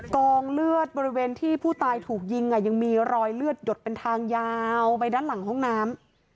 กองเลือดบริเวณที่ผู้ตายถูกยิงยังมีรอยเลือดหยดเป็นทางยาวไปด้านหลังห้องน้ำ